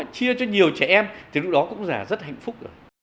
chia cho nhiều trẻ em thì lúc đó cũng là rất hạnh phúc rồi